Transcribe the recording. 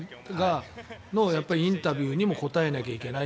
そのインタビューにも答えなきゃいけない。